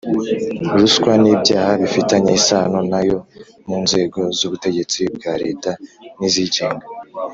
ruswa n’ibyaha bifitanye isano na yo mu nzego z’ubutegetsi bwa leta n’izigenga;